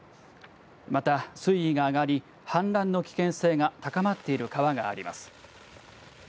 また水位が上がり氾濫の危険性が高まっている川があります。